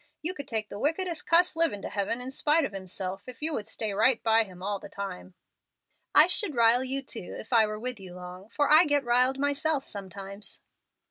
You could take the wickedest cuss livin' to heaven in spite of himself if you would stay right by him all the time." "I should 'rile' you, too, if I were with you long, for I get 'riled' myself sometimes."